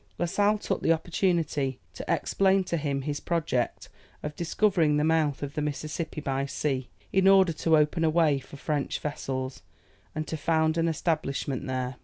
La Sale took the opportunity to explain to him his project of discovering the mouth of the Mississippi by sea, in order to open a way for French vessels, and to found an establishment there.